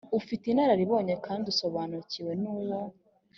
ufite inararibonye kandi usobanukiwe n uwo